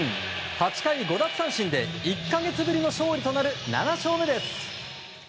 ８回５奪三振で１か月ぶりの勝利となる７勝目です。